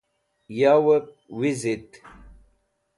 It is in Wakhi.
Yawep Wizit